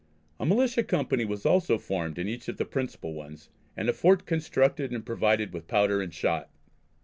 A militia company was also formed in each of the principal ones, and a fort constructed and provided with powder and shot.